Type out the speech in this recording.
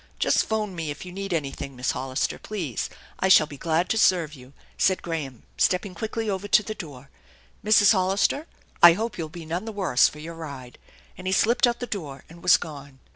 "Just phone me if you need anything, Miss Hollister. please. I shall be glad to serve you," said Graham, steppii THE ENCHANTED BARN 133 quickly over to the door. " Mrs. Hollister, I hope you'll be none the worse for your ride "; and he slipped out the door, and was gone.